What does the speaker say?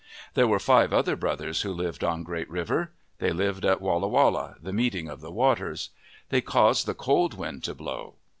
There were five other brothers who lived on Great River. They lived at Walla Walla, the meeting of the waters. They caused the cold wind to blow.